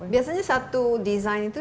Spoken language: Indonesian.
biasanya satu desain itu